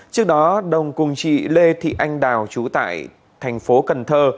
trước đó đồng cùng chị lê thị anh đào trú tại thành phố cần thơ